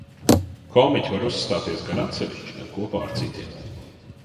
Komiķi var uzstāties gan atsevišķi, gan kopā ar citiem.